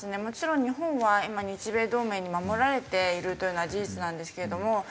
もちろん日本は今日米同盟に守られているというのは事実なんですけれども。